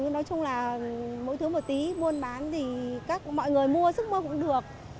nói chung là mỗi thứ một tí muôn bán thì mọi người mua sức mua cũng được